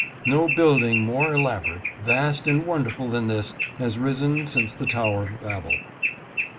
No building more elaborate, vast and wonderful than this has risen since the Tower of Babel.